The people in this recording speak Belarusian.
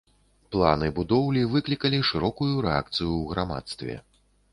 Планы будоўлі выклікалі шырокую рэакцыю ў грамадстве.